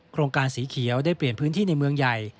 โครงการสีเขียวได้เปลี่ยนพื้นที่ในเมืองใหญ่